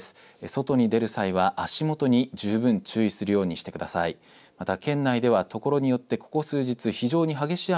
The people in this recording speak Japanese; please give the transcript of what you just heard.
外に出る際は足元に十分注意するようにしてください。